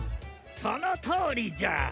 そのとおりじゃ！